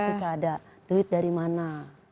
ketika ada tweet dari mana